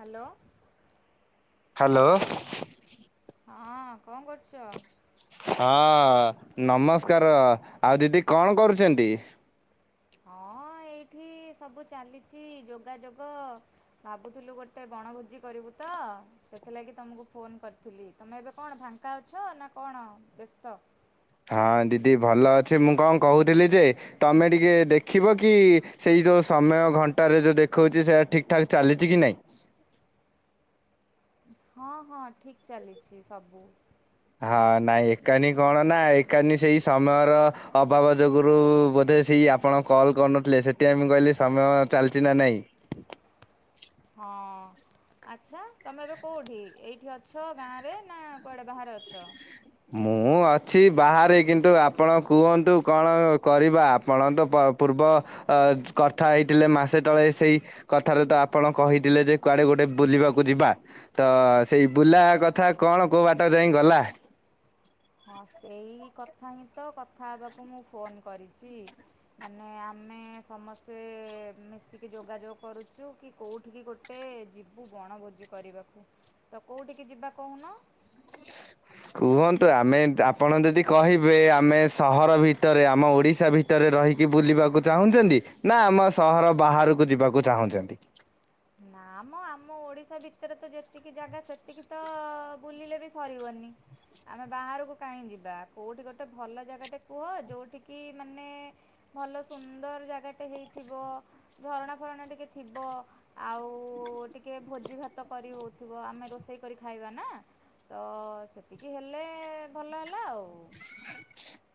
Hello. Hello. ହଁ। କଁ କରୁଚ? ହଁ ନମସ୍କାର ଆଉ ଦିଦି କଣ କରୁଛନ୍ତି? ହଁ ଏଇଠି ସବୁ ଚାଲିଛି ଯୋଗାଯୋଗ। ଭାବୁଥିଲୁ ଗୋଟେ ବଣଭୋଜି କରିବୁ ତ ସେଥିଲାଗି ତମୁକୁ ଫୋନ୍ କରିଥିଲି ତମେ ଏବେ କଣ ଫାଙ୍କା ଅଛ ନା କଣ ବେସ୍ତ। ହଁ ଦିଦି ଭଲ ଅଛି ମୁଁ କଁ କହୁଥିଲି ଯେ ତମେ ଟିକେ ଦେଖିବ କି ସେଇ ଯୋଉ ସମୟ ଘଣ୍ଟାରେ ଯୋଉ ଦେଖଉଚି ସେଟା ଠିକ୍ ଠାକ୍ ଚାଲିଚି କି ନାଇଁ। ହଁ ହଁ ଠିକ୍ ଚାଲିଛି ସବୁ। ହଁ ନାଇଁ ଏକାନି କଣ ନା ଏକାନି ସେଇ ସମୟର ଅଭାବ ଯୋଗୁରୁ ବୋଧେ ସେଇ ଆପ୍ ଆପଣ କଲ୍ କରୁନଥିଲେ ସେଥିପାଇଁ ମୁଁ କହିଲି ସମୟ ଚାଲଚି ନା ନାଇଁ। ହଁ। ଆଛା ତମେ ଏବେ କୋଉଠି ଏଇଠି ଅଛ ଗାଁରେ ନା କୁଆଡେ ବାହାରେ ଅଛ। ମୁଁ ଅଛି ବାହାରେ କିନ୍ତୁ ଆପଣ କୁହନ୍ତୁ କଣ କରିବା ଆପଣ ତ ପ ପୂର୍ବ ଅ କଥା ହେଇଥିଲେ ମାସେ ତଳେ ସେଇ କଥାରେ ତ ଆପଣ କହିଥିଲେ ଯେ କୁଆଡେ ଗୋଟେ ବୁଲିବାକୁ ଯିବା। ତ ସେଇ ବୁଲା କଥା କଣ କୋଉ ବାଟ ଯାଇଁ ଗଲା। ହଁ ସେଇ କଥା ହିଁ ତ କଥା ହବାକୁ ମୁଁ ଫୋନ୍ କରିଚି। ମାନେ ଆମେ ସମସ୍ତେ ମିଶିକି ଯୋଗାଯୋଗ କରୁଚୁ କି କୋଉଠିକି ଗୋ ଟେ ଯିବୁ ବଣଭୋଜି କରିବାକୁ ତ କୋଉଠିକି ଯିବା କହୁନ? କୁହନ୍ତୁ ଆମେ ଦ୍ ଆପଣ ଯଦି କହିବେ ଆମେ ସହର ଭିତରେ ଆମ ଓଡିଶା ଭି ତେରେ ରହିକି ବୁଲିବାକୁ ଚାହୁଁଚନ୍ତି ନା ଆମ ସହର ବାହାରୁକୁ ଯିବାକୁ ଚାହୁଁଛନ୍ତି। ନା ମ ଆମ ଓଡିଶା ଭିତେରେ ତ ଯେତିକି ଜାଗା ସେତିକି ତ ବୁଲିଲେ ବି ସରିବନି। ଆମେ ବାହାରକୁ କାହିଁ ଯିବା କୋଉଠି ଗୋଟେ ଭଲ ଜାଗାଟେ କୁହ ଯୋଉଠିକି ମାନେ ଭଲ ସୁନ୍ଦର ଜାଗାଟେ ହେଇଥିବ ଝରଣା ଫରଣା ଟିକେ ଥିବ। ଆଉ ଟିକେ ଭୋଜି ଭାତ କରି ହଉଥୁବ ଆମେ ରୋଷେଇ କରି ଖାଇବା ନା। ତ ସେତିକି ହେଲେ ଭଲ ହେଲା ଆଉ।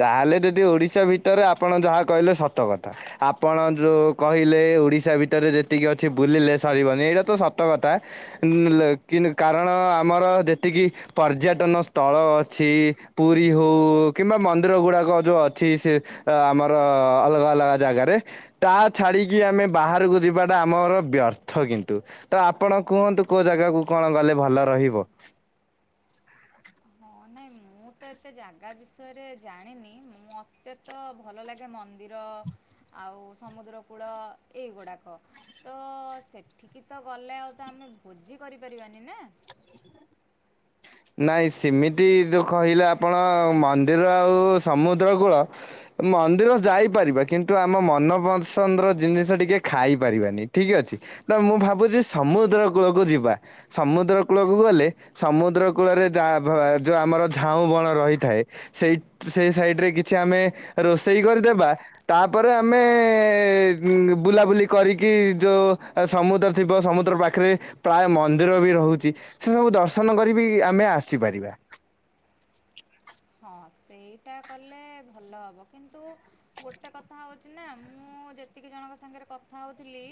ତାହେଲେ ଯଦି ଓଡିଶା ଭିତରେ ଆପଣ ଯାହା କହିଲେ ସତ କଥା ଆପଣ ଯୋଉ କହିଲେ ଓଡିଶା ଭିତରେ ଯେତିକି ଅଛି ବୁଲିଲେ ସରିବନି ଏଇଟା ତ ସତ କଥା। ଉଁ ଲେକିନ୍ କାରଣ ଆମର ଯେତିକି ପର୍ଯ୍ୟଟନ ସ୍ଥଳ ଅଛି ପୁରୀ ହଉ କିମ୍ବା ମ ମନ୍ଦିର ଗୁଡାକ ଯୋଉ ଅଛି ସେ ଆ ଆମର ଅଲଗା ଅଲଗା ଯାଗାରେ। ତା ଛାଡ଼ିକି ଆମେ ବାହାରକୁ ଯିବାଟା ଆମର ବ୍ୟର୍ଥ କିନ୍ତୁ। ତ ଆପଣ କୁହନ୍ତୁ କୋଉ ଯାଗାକୁ କଣ ଗଲେ ଭଲ ରହିବ? ହଁ ନାଇଁ ମୁଁ ତ ଏତେ ଯାଗା ବିଷୟରେ ଜାଣିନି ମୋତେ। ତ ଭଲ ଲାଗେ ମନ୍ଦିର ଆଉ ସମୁଦ୍ର କୂଳ ଏଇଗୁଡ଼ାକ। ତ ସେଠିକି ତ ଗଲେ ଆଉ ତ ଆମେ ଭୋଜି କରିପାରିବାନି ନା। ନାଇଁ ସେମିତି ଯଉ କହିଲେ ଆପଣ ମନ୍ଦିର ଆଉ ସମୁଦ୍ର କୂଳ। ମନ୍ଦିର ଯାଇପାରିବା କିନ୍ତୁ ଆମ ମନ ପସନ୍ଦର ଜିନିଷ ଟିକେ ଖାଇ ପାରିବାନି ଠିକ ଅଛି। ତ ମୁଁ ଭାବୁଛି ସମୁଦ୍ର କୂଳକୁ ଯିବା ସମୁଦ୍ର କୂଳକୁ ଗଲେ ସମୁଦ୍ର। କୂଳରେ ଜା ଭ ଯଉ ଆମର ଝାଉଁ ବଣ ରହିଥାଏ। ସେଇ ସେଇ ସାଇଡରେ କିଛି ଆମେ ରୋଷେଇ କରିଦେବା। ତାପରେ ଆମେ ଉଁ ବୁଲାବୁଲି କରିକି ଯୋଉ। ଅ ସମୁଦ୍ର ଥିବ ସମୁଦ୍ର ପାଖରେ ପ୍ରାୟ ମନ୍ଦିର ବି ରହୁଛି ସେ ସବୁ ଦର୍ଶନ କରିବି। ଇ ଆମେ ଆସିପାରିବା। ହଁ ସେଇଟା କଲେ ଭଲ ହବ କିନ୍ତୁ। ଗୋଟେ କଥା ହଉଛି ନା ମୁଁ ଯେତିକି ଜଣଙ୍କ ସାଙ୍ଗରେ କଥା ହଉଥିଲି।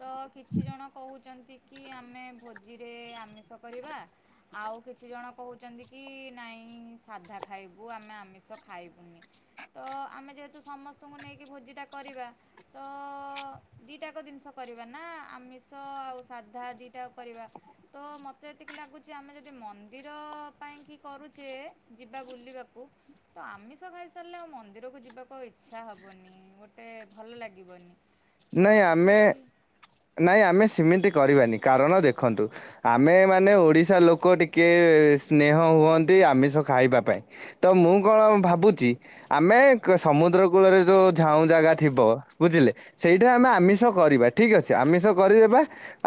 ତ କିଛି ଜଣ କହୁଛନ୍ତି କି ଆମେ ଭୋଜିରେ ଆମିଷ କରିବା। ଆଉ କିଛି ଜଣ କହୁଛନ୍ତି କି ନାଇଁ ସାଧା। ଖାଇବୁ ଆମେ ଆମିଷ ଖାଇବୁନି। ତ ଆମେ ଯେହେତୁ ସମସ୍ତଙ୍କୁ ନେଇକି ଭୋଜିଟା କରିବା। ତ ଦିଟାକ ଜିନିଷ କରିବା ନା ଆମିଷ ଆଉ ସାଧା ଦିଟା କରିବା। ତ ମତେ ଯେତିକି ଲାଗୁଛି ଆମେ ଯଦି ମନ୍ଦିର ପାଇଁ କି କରୁଛେ ଯି ବା ବୁଲିବାକୁ। ତ ଆମିଷ ଖାଇସାରିଲେ ଆଉ ମନ୍ଦିରକୁ ଯିବାକୁ ଇଚ୍ଛା ହେବନି ଗୋଟେ ଭଲ ଲାଗିବନି। ତ ନାଇଁ ଆମେ ସେଥିଲାଗି ନାଇଁ ଆମେ ସେମିତି କରିବାନି କାରଣ ଦେଖନ୍ତୁ। ଆମେ ମାନେ ଓଡିଶା ଲୋକ ଟିକେ ସ୍ନେହ ହୁଅନ୍ତି ଆମିଷ ଖାଇବା ପାଇଁ। ତ ମୁଁ କଣ ଭାବୁଛି। ଆମେ କ ସମୁଦ୍ର କୂଳରେ ଯୋଉ ଝାଉଁ ଯାଗା ଥିବ ବୁଝିଲେ। ସେଇଟା ଆମେ ଆମିଷ କରିବା ଠିକ୍ ଅଛି ଆମିଷ କରିଦେବା।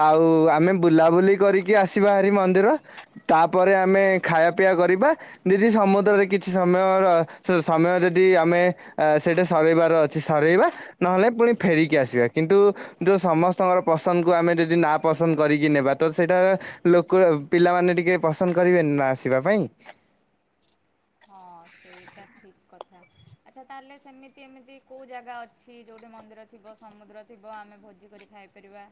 ଆଉ ଆମେ ବୁଲାବୁଲି କରିକି ଆସିବା ହେରି ମନ୍ଦିର। ତାପରେ ଆମେ ଖାୟା ପିଆ କରିବା। ଦିଦି ସମୁଦ୍ରରେ କିଛି ସମୟର ସ-ସମୟ ଯଦି ଆମେ ଆ ସେଇଟା ସରେଇବାର ଅ ଛି ସରେଇବା ନହେଲେ ପୁଣି ଫେରିକି ଆସିବା କିନ୍ତୁ। ଯୋଉ ସମସ୍ତଙ୍କର ପସନ୍ଦକୁ ଆମେ ଯଦି ନା ପସନ୍ଦ କରିକି ନେବା ତ ସେଇଟା। ଲୋକ ପିଲାମାନେ ଟିକେ ପସନ୍ଦ କରିବେନି ନା ଆସିବା ପାଇଁ। ହଁ ସେଇଟା ଠିକ୍ କଥା। ଆଚ୍ଛା ତା ହେଲେ ସେମିତି ଏମିତି କେଉ ଜାଗା ଅଛି ଯଉଠି ମନ୍ଦିର ଥିବ, ସମୁଦ୍ର ଥିବ ଆମେ ଭୋଜି କରି ଖାଇ ପାରିବା।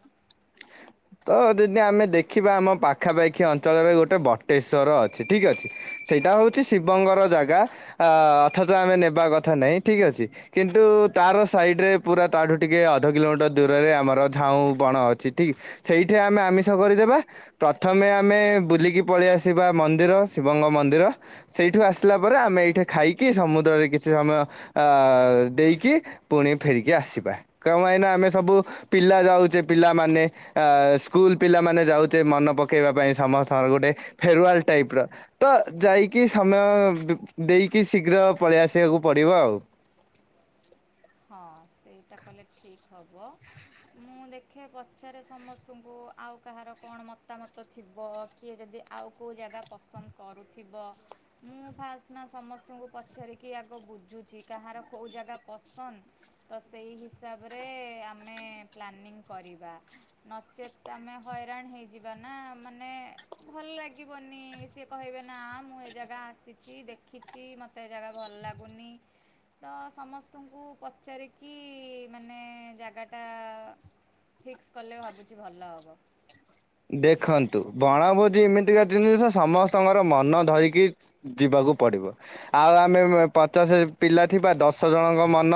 ତ ଯଦି ଆମେ ଦେଖିବା ଆମ ପାଖାପାଖି ଅଞ୍ଚଳରେ ଗୋଟେ ବଟେଶ୍ଵର ଅଛି ଠିକ ଅଛି। ସେଇଟା ହଉଛି ଶିବଙ୍ଗର ଜାଗା ଆ ଅଥଚ ଆମେ ନେବା କଥା ନାହିଁ ଠିକ ଅଛି। କିନ୍ତୁ ତାର ସାଇଡରେ ପୁରା ତାଠୁ ଟିକେ ଅଧ କିଲୋମିଟର ଦୂରରେ ଆମର ଝାଉଁ ବଣ ଅଛି ଠିକ। ସେଇଠି ଆମେ ଆମିଷ କରିଦେବା। ପ୍ରଥମେ ଆମେ ବୁଲିକି ପଳେଇ ଆସିବା ମନ୍ଦିର ଶିବଙ୍କ ମନ୍ଦିର। ସେଇଠୁ ଆସିଲା ପରେ ଆମେ ଏଇଠେ ଖାଇକି ସମୁଦ୍ରରେ କିଛି ସମୟ ଆ ଦେଇକି। ପୁଣି ଫେରିକି ଆସିବା କଣ ପାଇଁ ନା ଆମେ ସବୁ ପିଲା ଯାଉଛେ ପିଲାମାନେ। ଆ ସ୍କୁଲ ପିଲାମାନେ ଯାଉଛେ ମନ ପକେଇବା ପାଇଁ ସମସ୍ତଙ୍କର ଗୋଟେ ଫେରୱାଲ ଟାଇପ ର। ତ ଯାଇକି ସମୟ ବୁ ଦେଇକି ଶୀଘ୍ର ପଳେଇ ଆସିବାକୁ ପଡିବ ଆଉ। ହଁ ସେଇଟା କଲେ ଠିକ ହବ। ମୁଁ ଦେଖେ ପଚାରେ ସମସ୍ତଙ୍କୁ ଆଉ କାହାର କଣ ମତାମତ ଥିବ। କିଏ ଯଦି ଆଉ କୋଉ ଜାଗା ପସନ୍ଦ କରୁଥିବ। ମୁଁ ଫାଷ୍ଟ ନା ସମସ୍ତଙ୍କୁ ପଚାରିକି ଆଗ ବୁଝୁଛି କାହାର କୋଉ ଜାଗା ପଶ ହନ୍ ତ ସେଇ ହିସାବରେ ଆମେ ପ୍ଲାନିଂ କରିବା। ନଚେତ୍ ଆମେ ହଇରାଣ ହେଇଯିବା ନା ମାନେ ଭଲ ଲାଗିବନି ସିଏ କହିବେ ନା ମୁଁ ଏ ଜାଗା ଆସିଛି ଦେଖିଛି ମ ତେ ଜାଗା ଭଲ୍ ଲାଗୁନି ତ ସମସ୍ ତଙ୍କୁ ପଚାରିକି ମାନେ ଜାଗାଟା ଫିକ୍ସ କଲେ ଭାବୁଛି ଭଲ ହବ। ଦେଖନ୍ତୁ ବଣଭୋଜି ଏମିତିକା ଜିନିଷ ସମସ୍ତଙ୍କର ମନ ଧରିକି ଯିବାକୁ ପଡ଼ିବ ଆଉ ଆମେ-ମେ ପଚାଶେ ପିଲା ଥିବା ଦଶ ଜଣଙ୍କ ମନ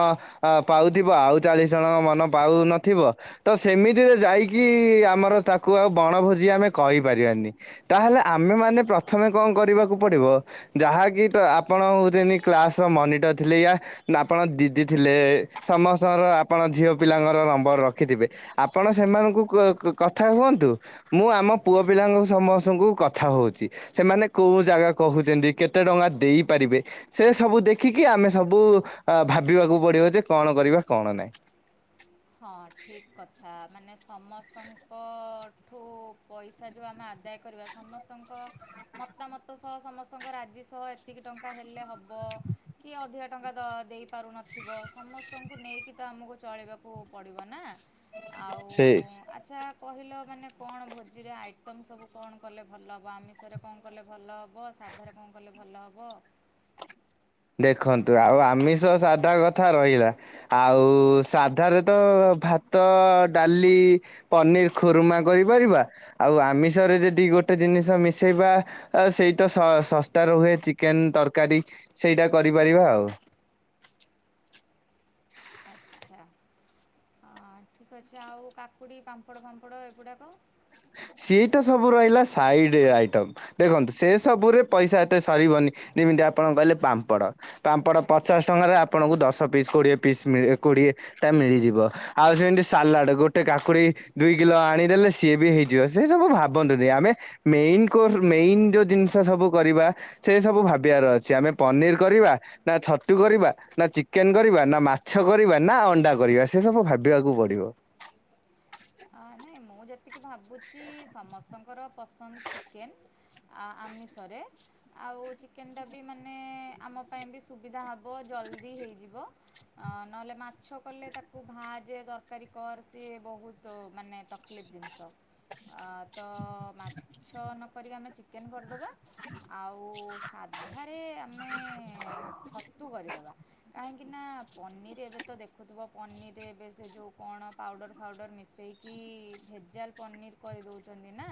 ଆ ପାଉଥିବ ଆଉ ଚାଳିଶ ଜଣଙ୍କ ମନ ପାଉନଥିବ। ତ ସେମିତିରେ ଯାଇକି ଆମର ତାକୁ ଆଉ ବଣଭୋଜି ଆମେ କହିପାରିବାନି। ତାହେଲେ ଆମେ ମାନେ ପ୍ରଥମେ କଣ କରିବାକୁ ପଡି଼ବ ଯାହାକି ତ ଆପଣ ହୋଉ ଯେଏନ୍ତି କ୍ଲାସ ର ମନିଟର ଥିଲେ ୟା ବା ଆପଣ ଦିଦି ଥିଲେ ସମସ୍ତଙ୍କର ଆପଣ ଝିଅ ପିଲାଙ୍କର ନମ୍ବର ରଖିଥିବେ। ଆପଣ ସେମାନଙ୍କୁ କୂଅ କ କଥା ହୁଅନ୍ ତୁ ମୁଁ ଆମ ପୁଅ ପିଲାଙ୍କ ସମସ୍ତଙ୍କୁ କଥା ହଉଛି। ସେମାନେ କୋଉ ଜାଗା କହୁଛନ୍ତି କେତେ ଟଙ୍କା ଦେଇପାରିବେ। ସେ ସବୁ ଦେଖିକି ଆମେ ସବୁ ଭାବିବାକୁ ଆ ପଡ଼ିବ ଯେ କଣ କରିବା କଣ ନାଇଁ। ହଁ ଠିକ୍ କଥା ମାନେ ସମସ୍ତଙ୍କଠୁ ପଇସା ଯୋଉ ଆମେ ଆଦାୟ କରିବା ସମସ୍ତଙ୍କ ମତାମତ ସହ ସମସ୍ତଙ୍କ ରାଜି ସହ ଏତିକି ଟଙ୍କା ହେଲେ ହବ। କିଏ ଅଧିକା ଟଙ୍କା ଦ ଦେଇ ପାରୁନଥିବ ସମସ୍ତଙ୍କୁ ନେଇକି ତ ଆମକୁ ଚଳିବାକୁ ପଡ଼ିବ ନା ଆଉ ସେ ଆଚ୍ଛା କହିଲ ମାନେ କଣ ଭୋଜିରେ ଆଇଟମ୍ ସବୁ କଣ କଲେ ଭଲ ହେବ ଆମିଷରେ କଣ କଲେ ଭଲ ହବ, ସାଧାରେ କଣ କଲେ ଭଲ ହବ। ଦେଖନ୍ତୁ ଆଉ ଆମିଷ ସାଧା କଥା ରହିଲା। ଆଉ ସାଧାରେ ତ ଭାତ, ଡାଲି ପନିର ଖୁରୁମା କରିପାରିବା ଆଉ ଆମିଷରେ ଯଦି ଗୋଟେ ଜିନିଷ ମିଶେଇବା ଆ ସେଇ ତ ଶ-ଶସ୍ତାରେ ରୁହେ ଚିକେନ ତରକାରୀ ସେଇଟା କରିପାରିବା ଆଉ। ଚ୍ଛା ଆ ଠିକ୍ ଅଛି ଆଉ କାକୁଡ଼ି ପାମ୍ପଡ଼ ଫାମ୍ପଡ଼ ଏଗୁଡ଼ାକ? ସେଇତ ସବୁ ରହିଲା ସାଇଡି ଆଇଟମ୍। ଦେଖନ୍ତୁ ସେ ସବୁରେ ପଇସା ଏତେ ସରିବନି ଯେମିତି ଆପଣ କହିଲେ ପାମ୍ପଡ଼। ପାମ୍ପଡ ପଚାଶ ଟଙ୍କାରେ ଆପଣଙ୍କୁ ଦଶ ପିସ୍ କୋଡିଏ ପିସ୍ ମିଳେ କୋଡି଼ଏ ଟା ମିଳିଯିବ ଆଉ ସେମିତି ସାଲାଡ୍ ଗୋଟେ କାକୁଡ଼ି ଦୁଇ କିଲୋ ଆଣିଦେଲେ ସିଏ ବି ହେଇ ଯିବ ସେ ସବୁ ଭାବନ୍ତୁନି ଆମେ ମେଇନ୍ କୋର୍ସ ମେଇନ୍ ଯୋଉ ଜିନିଷ ସବୁ କରିବା ସେ ସବୁ ଭାବିବାର ଅଛି ଆମେ ପନିର କରିବା। ନା ଛତୁ କରିବା, ନା ଚିକେନ କରିବା, ନା ମାଛ କରିବା, ନା ଅଣ୍ଡା କରିବା ସେ ସବୁ ଭାବିବାକୁ ପଡ଼ିବ। ଆ ନାଇଁ ମୁଁ ଯେତିକି ଭାବୁଛି ସମସ୍ତଙ୍କର ପସନ୍ଦ ଚିକେନ୍। ଆ ଆମିଷରେ। ଆଉ ଚିକେନ୍ ଟା ବି ମାନେ ଆମ ପାଇଁ ବି ସୁବିଧା ହବ ଜଲ୍ଦି ହେଇଯିବ। ନହେଲେ ମାଛ କଲେ ତାକୁ ଭାଜେ ତରକାରୀ କର ସିଏ ବୋହୁତ୍ ତ ମାନେ ତକଲିଫ୍ ଜିନିଷ। ଆ ତ ମାଛ ନ କରିକି ଆମେ ଚିକେନ୍ କରିଦବା। ଆଉ ସାଧାରେ ଆମେ ଛତୁ କରିଦବା। କାହିଁକି ନା ପନିର୍ ଏବେ ତ ଦେଖୁଥିବ ପନିର୍ ରେ ଏବେ ସେ ଯୋଉ କଣ ପାଉଡର ଫାଉଡର ମିଶେ ସେଇକି ଭେଜାଲ ପନିର୍ କରିଦେଉଛନ୍ତି ନା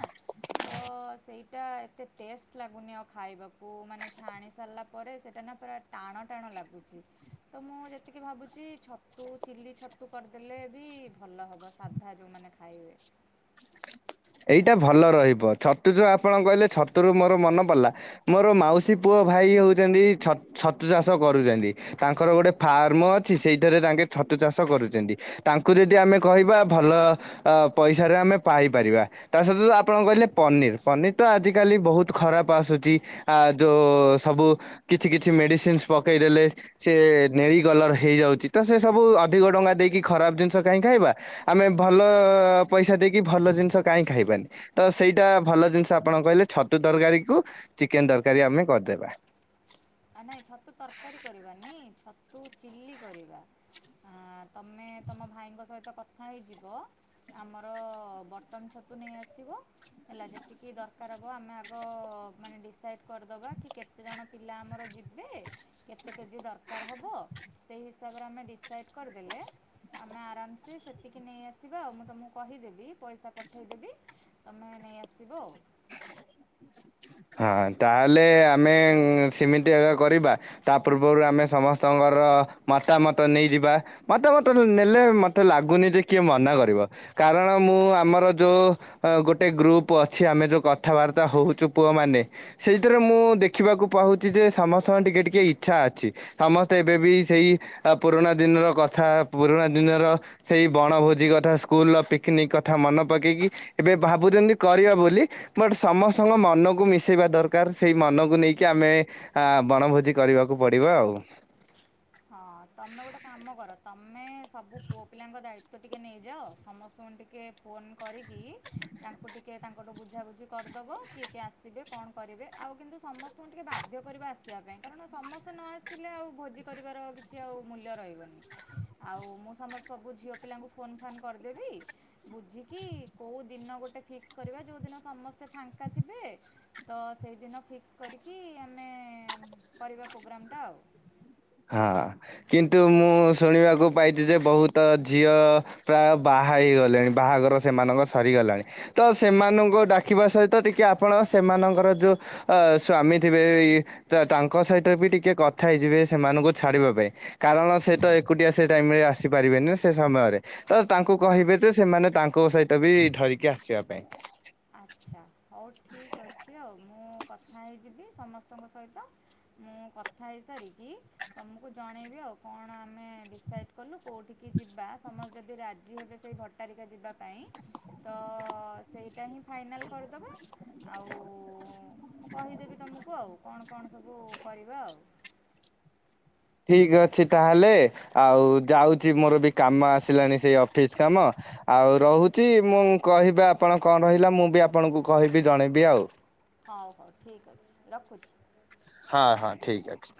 ତ ସେଇଟା ଏତେ ଟେଷ୍ଟ୍ ଲାଗୁନି ଆଉ ଖାଇବାକୁ ମାନେ ଛାଣି ସାରିଲା ପରେ ସେଇଟା ନା ପୁରା ଟାଣ ଟାଣ ଲାଗୁଛି। ତ ମୁଁ ଯେତିକି ଭାବୁଛି ଛତୁ ଚିଲ୍ଲି ଛତୁ କରିଦେଲେ ବି ଭଲ ହବ ସ୍ ସାଧା ଯୋଉମାନେ ଖାଇବେ। ଏଇଟା ଭଲ ରହିବ ଛତୁ ଯେ ଆପଣ କହିଲେ ଛତୁୁରୁ ମୋର ମନେ ପଡ଼ିଲା ମୋର ମାଉସୀ ପୁଅ ଭାଇ ହଉଛନ୍ତି ଛ ଛତୁ ଚାଷ କରୁଛନ୍ତି। ତାଙ୍କର ଗୋଟେ ଫାର୍ମ ଅଛି ସେଇଠାରେ ତାଙ୍କେ ଛତୁ ଚାଷ କରୁଛନ୍ତି। ତାଙ୍କୁ ଯଦି ଆମେ କହିବା ଭଲ ପଇସାରେ ଆମେ ପାଇପାରିବା। ତା ସହିତ ଆପଣ କହିଲେ ପନିର୍ ପନିର ତ ଆଜିକାଲି ବହୁତ ଖରାପ ଆସୁଛି। ଆ ଯୋଉ ସବୁ କିଛି କିଛି ମେଡିସିନସ ପକେଇଦେଲେ ସେ ନେଳି କଲର ହେଇଯାଉଚି ତ ସେ ସବୁ ଅଧିକ ଟଙ୍କା ଦେଇକି ଖରାପ ଜିନିଷ କାହିଁ ଖାଇବା? ଆମେ ଭଲ ପଇସା ଦେଇକି ଭଲ ଜିନିଷ କାହିଁ ଖାଇବାନି ତ ସେଇଟା ଭଲ ଜିନିଷ ଆପଣ କହିଲେ ଛତୁ ତରକାରୀ କୁ ଚିକେନ ତରକାରୀ ଆମେ କରିଦେବା। ଆ ନାଇଁ ଛତୁ ତରକାରୀ କରିବାନି ଛତୁ ଚିଲ୍ଲି କରିବା। ତମେ ତମ ଭାଇଙ୍କ ସହିତ କଥା ହେଇଯିବ ଆମର ବଟନ ଛତୁ ନେଇ ଆସିବ। ହେଲା ଯେତିକି ଦରକାର ହେବ ଆମେ ଆଗ ମାନେ ଡିସାଇଡ଼୍ କରିଦେବା କି କେତେଜଣ ପିଲା ଆମର ଯିବେ କେତେ କେଜି ଦରକାର ହେବ ସେଇ ହିସାବରେ ଆମେ ଡିସାଇଡ଼୍ କରିଦେଲେ ଆମେ ଆରାମସେ ସେତିକି ନେଇଆସିବା ଆଉ ମୁଁ ତମକୁ କହିଦେବି ପଇସା ପଠେଇଦେବି ତମେ ନେଇ ଆସିବ ଆଉ। ହଁ ତାହେଲେ ଆମେ ସେମିତି ଆକା କରିବା ତା ପୂର୍ବରୁ ଆମେ ସମସ୍ତଙ୍କର ମତାମତ ନେଇଯିବା। ମତାମତ ନେଲେ ମତେ ଲାଗୁନି ଯେ କିଏ ମନା କରିବ। କାରଣ ମୁଁ ଆମର ଯୋଉ ଗୋଟେ ଗ୍ରୁପ ଅଛି ଆମେ ଯୋଉ କଥାବାର୍ତ୍ତା ହୋଉଛୁ ପୁଅମାନେ ସେଇଥିରେ ମୁଁ ଦେଖିବାକୁ ପାଉଛି ଯେ ସମସ୍ତଙ୍କ ଟିକେ ଟିକେ ଇଚ୍ଛା ଅଛି। ସମସ୍ତେ ଏବେ ବି ସେଇ ପୁରୁଣା ଦିନର କଥା ପୁରୁଣା ଦିନର ସେଇ ବଣଭୋଜି କଥା ସ୍କୁଲର ପିକନିକ କଥା ମନେ ପକେଇକି ଏବେ ଭାବୁଛନ୍ତି କରିବା ବୋଲି ବଟ ସମସ୍ତଙ୍କ ମନକୁ କୁ ମିଶେଇବା ଦରକାର ସେଇ ମନକୁ ନେଇକି ଆମେ ଆ ବଣଭୋଜି କରିବାକୁ ପଡିବ ଆଉ। ହଁ ତମେ ଗୋଟେ କାମ କର ତମେ ସବୁ ପୁଅ ପିଲାଙ୍କ ଦାୟିତ୍ଵ ଟିକେ ନେଇଯାଅ ସମସ୍ତଙ୍କୁ ଟିକେ ଫୋନ୍ କରିକି ତାଙ୍କୁ ଟିକେ ତାଙ୍କଠୁ ବୁଝାବୁଝି କରିଦବ କିଏ କିଏ ଆସିବେ କଣ କରିବେ ଆଉ କିନ୍ତୁ ସମସ୍ତେ ଙ୍କୁ ଟିକେ ବାଧ୍ୟ କରିବ ଆସିବା ପାଇଁ କାରଣ ସମସ୍ତେ ନ ଆସିଲେ ଆଉ ଭୋଜି କରିବାର କିଛି ଆଉ ମୂଲ୍ୟ ରହିବନି। ଆଉ ମୁଁ ସମର ସବୁ ଝିଅ ପିଲାଙ୍କୁ ଫୋନ୍ ଫାନ୍ କରିଦେବି। ବୁଝିକି କୋଉ ଦିନ ଗୋଟେ ଫିକ୍ସ କରିବା ଯୋଉ ଦିନ ସମସ୍ତେ ଫାଙ୍କା ଥିବେ ତ ସେଇଦିନ ଫିକ୍ସ କରିକି ଆମେ କରିବା ପ୍ରୋଗ୍ରାମ୍ ଟା ଆଉ। ହଁ କିନ୍ତୁ ମୁଁ ଶୁଣିବାକୁ ପାଇଛି ଯେ ବୋହୁତ ଝିଅ ପ୍ରାୟ ବାହା ହେଇଗଲେଣି ବାହାଘର ସେମାନଙ୍କ ସରିଗଲାଣି। ତ ସେମାନଙ୍କୁ ଡାକିବା ସହିତ ଟିକେ ଆପଣ ସେମାନଙ୍କର ଯୋଉ ଅ ସ୍ଵାମୀ ଥିବେ ତାଙ୍କ ସହିତ ବି ଟିକେ କଥା ହେଇଯିବେ ସେମାନଙ୍କୁ ଛାଡିବା ପାଇଁ କାରଣ ସେ ତ ଏକୁଟିଆ ସେ ଟାଇମ ରେ ଆସିପାରିବେନି ସେ ସମୟରେ। ତ ତାଙ୍କୁ ହଁ କହିବେ ଯେ ସେମାନେ ତାଙ୍କ ସହିତ ବି ଧରିକି ଆସିବା ପାଇଁ। ଆଚ୍ଛା ହଉ ଠିକ୍ ଅଛି ଆଉ ମୁଁ କଥା ହେଇଯିବି ସମସ୍ତଙ୍କ ସହିତ। ମୁଁ କଥା ହେଇସାରିକି ତମକୁ ଜଣେଇବି ଆଉ କଣ ଆମେ ଡିସାଇଡ କଲୁ କୋଉଠିକି ଯିବା ସମସ୍ତେ ଯଦି ରାଜି ହେବେ ସେଇ ଘ ତାରିଖ ଯିବା ପାଇଁ ତ ସେଇଟା ହିଁ ଫାଇନାଲ୍ କରିଦେବା। ଆଉ ମୁଁ କହିଦେବି ତୁମକୁ ଆଉ କଣ କଣ ସବୁ କରିବା ଆଉ। ଠିକ ଅଛି ତାହେଲେ ଆଉ ଯାଉଛି ମୋର ବି କାମ ଆସିଲାଣି ସେଇ ଅଫିସ କାମ। ଆଉ ରହୁଛି ମୁଁ କହିବି ଆପଣ କଣ ରହିଲା ମୁଁ ବି ଆପଣଙ୍କୁ କହିବି ଜଣେଇବି ଆଉ। ହଉ ହଉ ଠିକ୍ ଅଛି ରଖୁଛି। ହଁ ହଁ ଠିକ୍ ଅଛି।